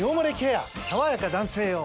さわやか男性用」